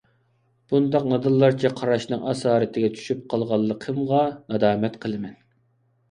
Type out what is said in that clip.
بۇنداق نادانلارچە قاراشنىڭ ئاسارىتىگە چۈشۈپ قالغانلىقىمغا نادامەت قىلىمەن.